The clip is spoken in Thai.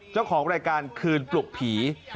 เจ้าของรายการคืนปลุกผี